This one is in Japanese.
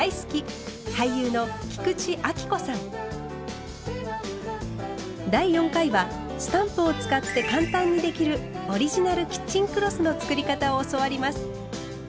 俳優の第４回はスタンプを使って簡単にできるオリジナルキッチンクロスの作り方を教わります。